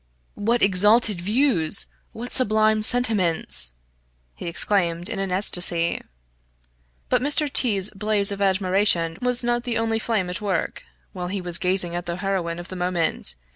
"What exalted views! What sublime sentiments!" he exclaimed in an ecstasy. But Mr. T 's blaze of admiration was not the only flame at work, while he was gazing at the heroine of the moment.